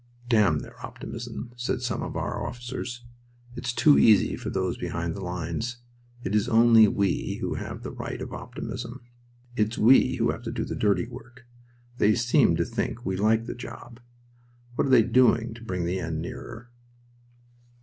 "Damn their optimism!" said some of our officers. "It's too easy for those behind the lines. It is only we who have the right of optimism. It's we who have to do the dirty work! They seem to think we like the job! What are they doing to bring the end nearer?"